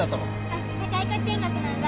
あした社会科見学なんだ。